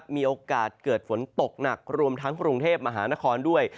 มีโอกาสเกิดฝนตกหนักรวมทั้งกรุงเทพมหานครด้วย